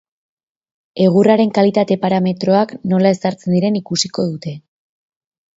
Egurraren kalitate-parametroak nola ezartzen diren ikusiko dute.